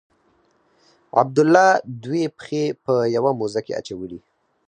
عبدالله دوې پښې په یوه موزه کې اچولي.